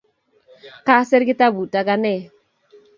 Kaser kitabut akee